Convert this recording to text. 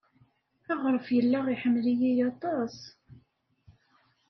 Aɣref yella iḥemmel-iyi aṭas.